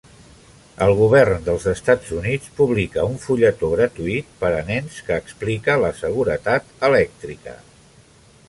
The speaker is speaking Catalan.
El govern dels Estats Units publica un fulletó gratuït per a nens que explica la seguretat elèctrica.